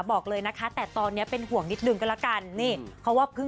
บอกเลยนะคะแต่ตอนนี้เป็นห่วงนิดนึงกันละกัน